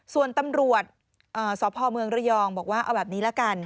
ส่วนตำรวจสพเมืองระยองบอกว่าเอาแบบนี้ละกัน